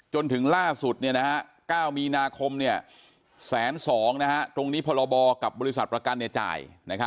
จนถึงล่าสุด๙มีนาคม๑๒๐๐ตรงนี้พรบกับบริษัทประกันจ่าย